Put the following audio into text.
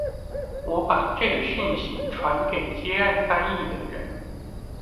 我把這個訊息傳給接案翻譯的人